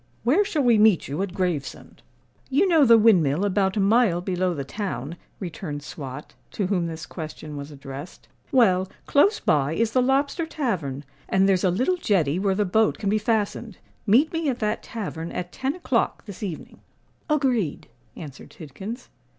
Where shall we meet you at Gravesend?" "You know the windmill about a mile below the town," returned Swot, to whom this question was addressed. "Well, close by is the Lobster Tavern, and there's a little jetty where the boat can be fastened. Meet me at that tavern at ten o'clock this evening." "Agreed," answered Tidkins.